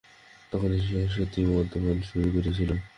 তখনই সে সত্যিই মদ্যপান শুরু করেছিল।